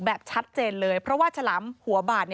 แบบชัดเจนเลยเพราะว่าฉลามหัวบาด